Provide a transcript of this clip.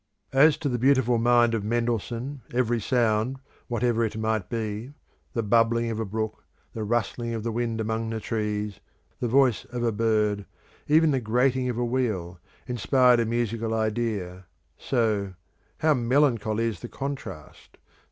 As to the beautiful mind of Mendelssohn every sound, whatever it might be the bubbling of a brook, the rustling of the wind among the trees, the voice of a bird, even the grating of a wheel inspired a musical idea, so how melancholy is the contrast!